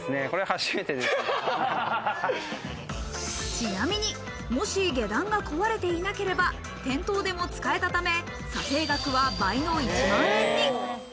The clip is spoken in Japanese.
ちなみに、もし下段が壊れていなければ店頭でも使えたため、査定額は倍の１万円に。